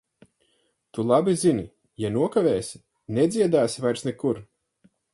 Tu labi zini - ja nokavēsi, nedziedāsi vairs nekur.